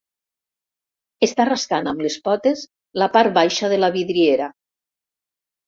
Està rascant amb les potes la part baixa de la vidriera.